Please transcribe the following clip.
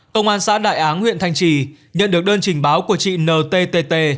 công an xã đại áng huyện thanh trì nhận được đơn trình báo của chị n t t t